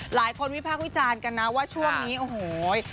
วิพากษ์วิจารณ์กันนะว่าช่วงนี้โอ้โห